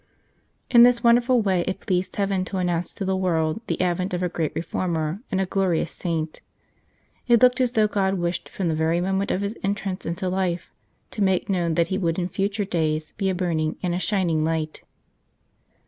In this wonderful way it pleased Heaven to announce to the world the advent of a great reformer and a glorious saint. It looked as though God wished, from the very moment of his entrance into life, to make known that he would in future days be a burning and a shining light.